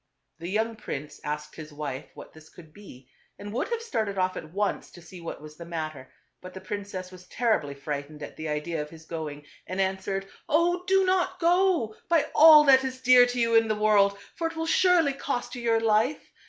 The young prince asked his wife what this could be, and would have started off at once to see what was the matter ; but the princess was terribly frightened at the idea of his going, and answered, " Oh ! do not go, by all that is dear to you in the world, for it will surely cost you your life.